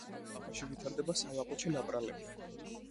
ხახაში ვითარდება სალაყუჩე ნაპრალები.